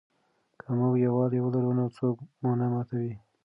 که موږ یووالي ولرو نو څوک مو نه ماتوي.